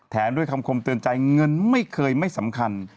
ด้วยคำคมเตือนใจเงินไม่เคยไม่สำคัญ